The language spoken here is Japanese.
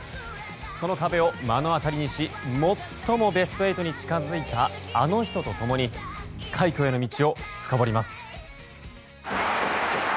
その壁を目の当たりにし最もベスト８に近づいたあの人と共に快挙への道を深掘ります。